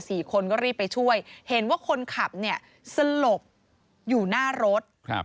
สี่คนก็รีบไปช่วยเห็นว่าคนขับเนี่ยสลบอยู่หน้ารถครับ